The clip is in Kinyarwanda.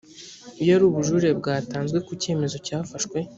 iyo ari ubujurire bwatanzwe ku cyemezo cyafashwe